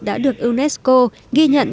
đã được unesco ghi nhận